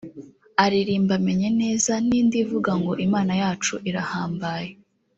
aririmba Menye neza n'indi ivuga ngo Imana yacu irahambaye